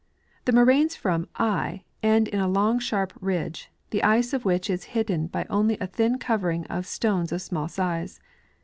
The moraines from / end in a long sharp ridge, the ice of which is hidden by only a thin covering of stones of small size.